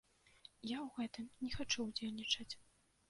Я ў гэтым не хачу ўдзельнічаць.